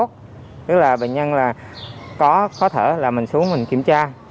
tức là bệnh nhân có khó thở là mình xuống mình kiểm tra